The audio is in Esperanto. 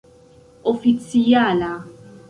oficiala